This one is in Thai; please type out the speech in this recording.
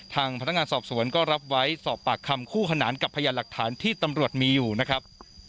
ทางพนักงานสอบสวนก็รับไว้สอบปากคำคู่ขนานกับพยานหลักฐานที่ตำรวจมีอยู่นะครับ